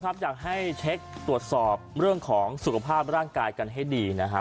อยากให้เช็คตรวจสอบเรื่องของสุขภาพร่างกายกันให้ดีนะครับ